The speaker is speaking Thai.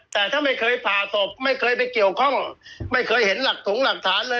แต่ถ้าไม่เคยผ่าศพไม่เคยไปเกี่ยวข้องไม่เคยเห็นหลักถงหลักฐานเลย